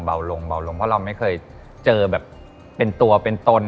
เพราะเราไม่เคยเจอแบบเป็นตัวเป็นตน